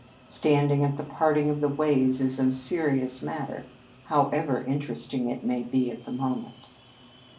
Standing at the parting of the ways is a serious matter, however interesting it may be at the moment."